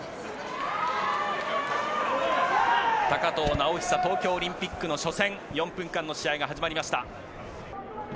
高藤直寿、東京オリンピックの初戦、４分間の試合が始まりました。